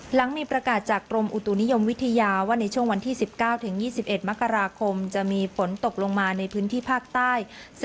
หลังมีประกาศจากกรมอุตุนิยมวิทยาว่าในช่วงวันที่๑๙๒๑มกราคมจะมีฝนตกลงมาในพื้นที่ภาคใต้